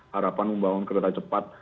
harapan membangun kereta cepat